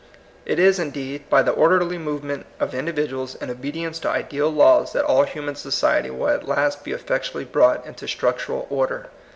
It is, indeed, by the orderly movement of individuals in obedience to ideal laws that all human society will at last be effectually brought into structural order.